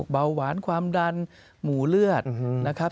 เบาหวานความดันหมูเลือดนะครับ